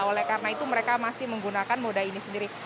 oleh karena itu mereka masih menggunakan moda ini sendiri